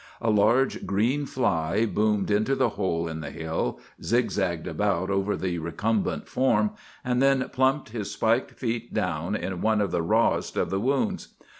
A large green fly boomed into the hole in the hill, zigzagged about over the recumbent form, and then plumped his spiked feet down in one of the rawest of the wounds.